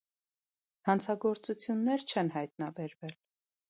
Հանցագործություններ չեն հայտնաբերվել։